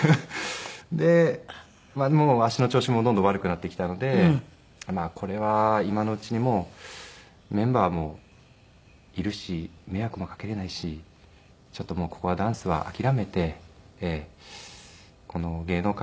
でもう足の調子もどんどん悪くなってきたのでこれは今のうちにもうメンバーもいるし迷惑もかけれないしちょっともうここはダンスは諦めてこの芸能界ではお芝居を。